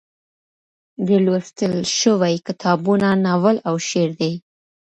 ډېر لوستل شوي کتابونه ناول او شعر دي.